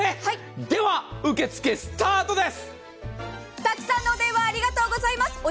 では、受け付けスタートです。